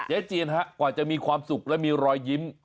เจียนฮะกว่าจะมีความสุขและมีรอยยิ้ม